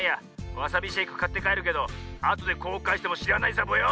わさびシェイクかってかえるけどあとでこうかいしてもしらないサボよ。